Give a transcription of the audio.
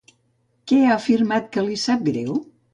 Què ha afirmat que li sap greu?